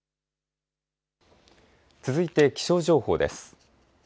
続いて気象情報です。